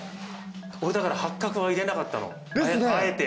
俺だから八角は入れなかったのあえて。